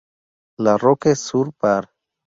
La Roquette-sur-Var